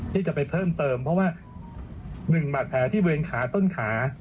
ที่จะไปเพิ่มเติมเพราะว่า๑บาดแผลที่บริเวณขาต้นขา